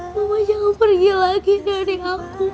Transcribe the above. mama jangan pergi lagi dari aku